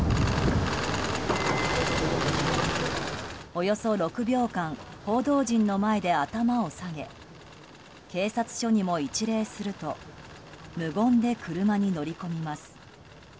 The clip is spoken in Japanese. およそ６秒間報道陣の前で頭を下げ警察署にも一礼すると無言で車に乗り込みます。